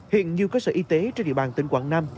hiện nhiều cơ sở y tế trên địa bàn tỉnh quảng nam